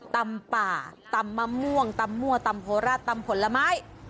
ตำป่าตำมะม่วงตำมั่วตำโคราชตำผลไม้